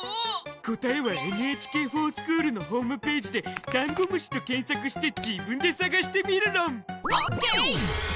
答えは「ＮＨＫｆｏｒＳｃｈｏｏｌ」のホームぺージでダンゴムシと検索して自分で探してみるろん！ＯＫ！